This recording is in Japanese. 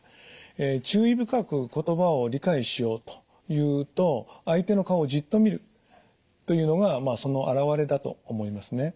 注意深く言葉を理解しようというと相手の顔をじっと見るというのがまあその表れだと思いますね。